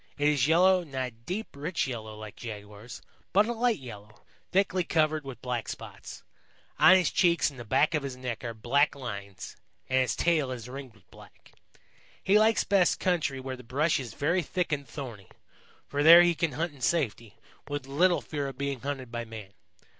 It is yellow, not a deep, rich yellow like Jaguar's, but a light yellow, thickly covered with black spots. On his cheeks and the back of his neck are black lines, and his tail is ringed with black. He likes best country where the brush is very thick and thorny, for there he can hunt in safety, with little fear of being hunted by man.